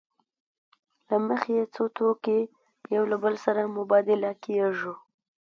له مخې یې څو توکي یو له بل سره مبادله کېږي